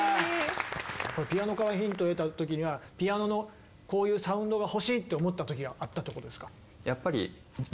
ピアノからヒントを得た時にはピアノのこういうサウンドが欲しいって思った時があったってことですか？